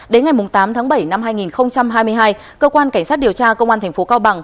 đến ngày tám tháng bảy năm hai nghìn hai mươi hai cơ quan cảnh sát điều tra công an tp cao bằng